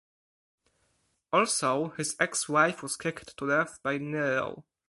Also, his ex-wife was kicked to death by Nero.